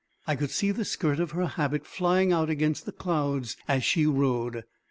I could see the skirt of her habit flying out against the clouds as she rode.